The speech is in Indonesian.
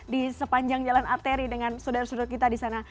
di sepanjang jalan arteri dengan saudara saudara kita di sana